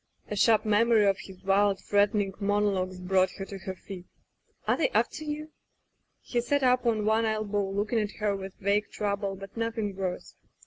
..." A sharp memory of his wild, threatening monologues brought her to her feet. "Are they after you?'' He sat up on one elbow looking at her with vague trouble, but nothing worse.